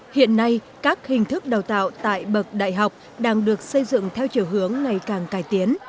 hiện nay các hình thức đào tạo tại bậc đại học đang được xây dựng theo chiều hướng ngày càng cải tiến